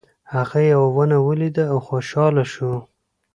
هغه یوه ونه ولیده او خوشحاله شو.